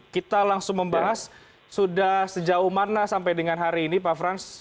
kita langsung membahas sudah sejauh mana sampai dengan hari ini pak frans